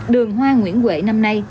đường hoa nguyễn huệ năm nay